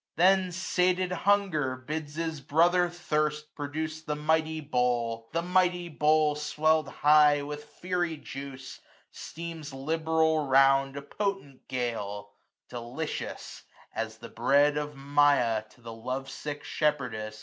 Then sated Hunger bids his brother Thirst Produce the mighty bowl ; the mighty bowl, Sweird high with fiery juice, steams liberal round A potent gale J delicious, as the breath $1$ Of Maia to the love sick shepherdess.